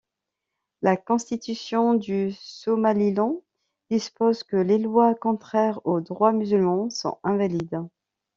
La Constitution du Somaliland dispose que les lois contraires au droit musulman sont invalides.